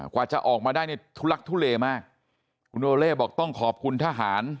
กว่าจะออกมาได้นี่ทุลักทุเลมากคุณโอเล่บอกต้องขอบคุณทหาร